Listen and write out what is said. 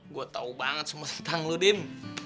gue tau banget semua tentang lo dim